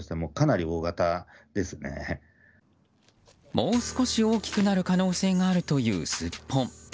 もう少し大きくなる可能性があるというスッポン。